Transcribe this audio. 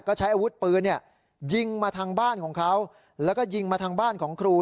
ก็ใช้อาวุธปืนยิงมาทางบ้านของเขาแล้วก็ยิงมาทางบ้านของครู